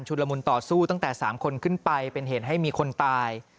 ละมุนต่อสู้ตั้งแต่๓คนขึ้นไปเป็นเหตุให้มีคนตาย